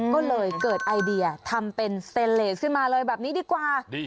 ก็เลยเกิดไอเดียทำเป็นเซนเลสขึ้นมาเลยแบบนี้ดีกว่า